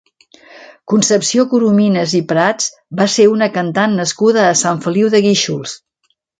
Concepció Corominas i Prats va ser una cantant nascuda a Sant Feliu de Guíxols.